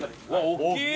大きい！